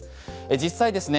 実際ですね